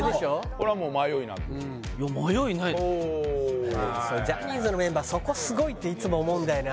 これはもう迷いなくジャニーズのメンバーそこすごいっていつも思うんだよな